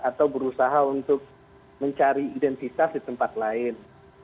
atau berusaha untuk mencari identitas di tempat lain